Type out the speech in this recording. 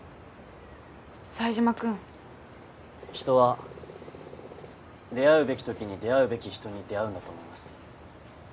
冴島君人は出会うべきときに出会うべき人に出会うんだと思います